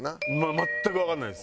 全くわからないです。